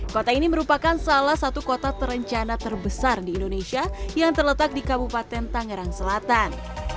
kota ini merupakan salah satu kota terencana terbesar di indonesia yang terletak di kabupaten tangerang selatan